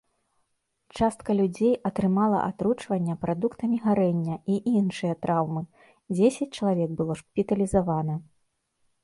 Частка людзей атрымала атручвання прадуктамі гарэння і іншыя траўмы, дзесяць чалавек было шпіталізавана.